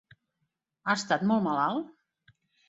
Ha estat molt malalt?